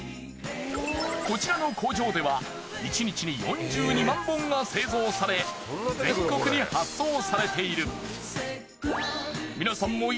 こちらの工場では１日に４２万本が製造され全国に発送されている。